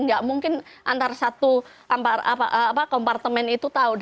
nggak mungkin antara satu kompartemen itu tahu